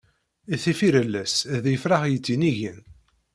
Tifirellas d ifrax yettinigen.